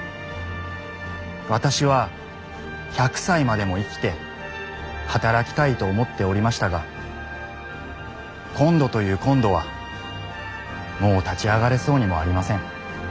私は１００歳までも生きて働きたいと思っておりましたが今度という今度はもう立ち上がれそうにもありません。